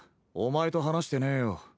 お前と話してねえよ。